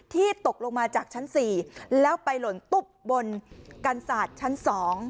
ที่ตกลงมาจากชั้นสี่แล้วไปหล่นตุ๊บบนกันสาดชั้นสอง